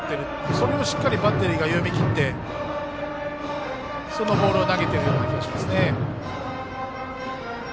それをしっかりバッテリーが読み切ってそのボールを投げているような気がしますね。